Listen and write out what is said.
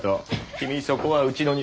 君そこはうちの庭。